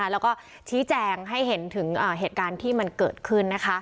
แล้วก็ชี้แจงให้เห็นถึงเหตุการณ์ที่มันเกิดขึ้น